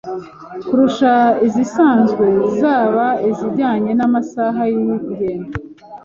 kurusha izisanzwe, zaba izijyanye n’amasaha y’ingendo,